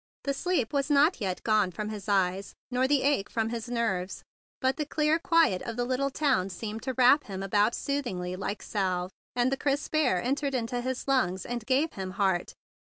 The sleep was not yet gone from his eyes, nor the ache from his nerves; but the clear quiet of the little town seemed to wrap him about soothingly like salve, and the crisp air entered into his lungs, and gave him heart.